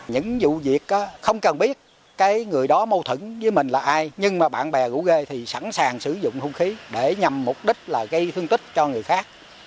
những vụ việc không cần biết cái người đó mâu thẫn với mình là ai nhưng mà bạn bè gũ ghê thì sẵn sàng sử dụng hung khí để nhằm mục đích là gây thương tích cho người khác